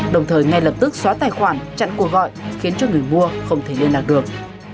đồng thời ngay lập tức xóa tài khoản chặn cuộc gọi khiến cho người mua không thể liên lạc được